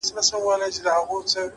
مننه د زړه ښکلا ده’